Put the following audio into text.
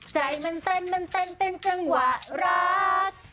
ใจมันเต้นเป็นจังหวะรัก